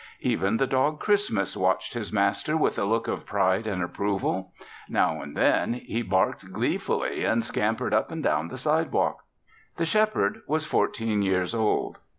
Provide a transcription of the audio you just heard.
Even the dog Christmas watched his master with a look of pride and approval. Now and then, he barked gleefully and scampered up and down the sidewalk. The Shepherd was fourteen years old.